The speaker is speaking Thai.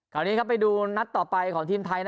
คราวนี้ไปดูนัดต่อไปของทีมไทย